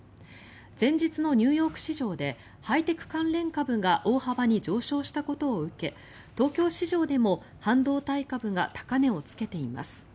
前日のニューヨーク市場でハイテク関連株が大幅に上昇したことを受け東京市場でも半導体株が高値をつけています。